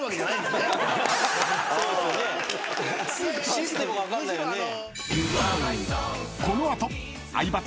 システムが分かんないよね。